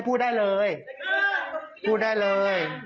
พูดได้เลย